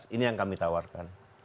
ini yang kami tawarkan